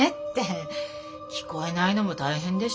聞こえないのも大変でしょ。